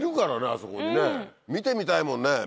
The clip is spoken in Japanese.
あそこにね見てみたいもんね。